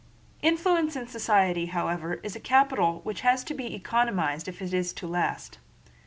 Influence in society, however, is a capital which has to be economized if it is to last.